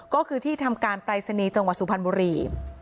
ก็คือที่ทำการปรายศนีย์จังหวัดสุพรรณบุรี